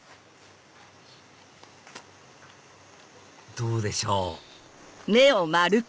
どうでしょう？